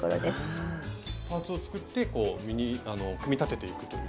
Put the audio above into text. パーツを作って組み立てていくという。